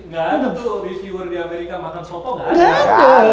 gak ada tuh reviewer di amerika makan soto nggak ada